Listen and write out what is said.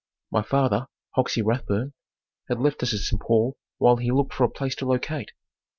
My father, Hoxey Rathbun, had left us at St. Paul while he looked for a place to locate.